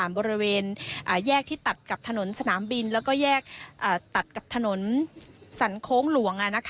บริเวณแยกที่ตัดกับถนนสนามบินแล้วก็แยกตัดกับถนนสรรโค้งหลวง